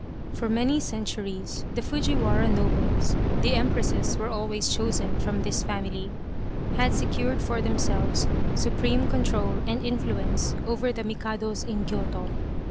For many centuries the Fujiwara nobles (the Em presses were always chosen from this family) had secured for themselves supreme control and influence over the Mikados in Kyoto.